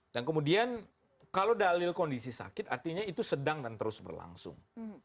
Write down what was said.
dan kemudian kalau dalil kondisi sakit artinya itu sedang dan terus berlangsung